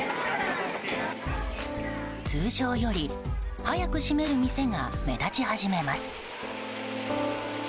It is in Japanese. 通常より早く閉める店が目立ち始めます。